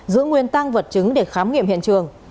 giữ nguyên tăng vật chứng để khám nghiệm hiện trường